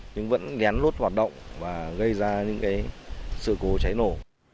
nhưng vẫn lén lút hoạt động và gây ra những sự cố cháy nổ